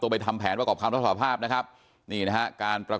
ตัวไปทำแผนประกอบคำนองศาลภาพนะครับนี่นะฮะการประกอบคำนองศาลภาพ